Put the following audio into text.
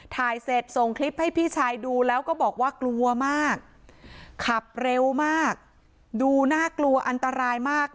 ถ่ายเสร็จส่งคลิปให้พี่ชายดูแล้วก็บอกว่ากลัวมากขับเร็วมากดูน่ากลัวอันตรายมาก